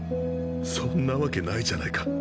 そんなわけないじゃないか。